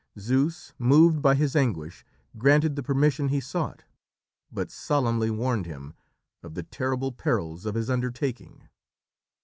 Zeus, moved by his anguish, granted the permission he sought, but solemnly warned him of the terrible perils of his undertaking.